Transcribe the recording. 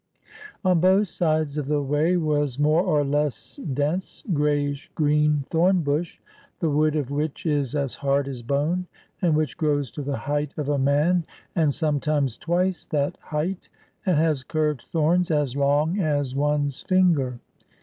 On both sides of the way was more or less 465 SOUTH AFRICA dense, grayish green thorn bush, the wood of which is as hard as bone, and which grows to the height of a man, and sometimes twice that height, and has curved thorns as long as one's finger.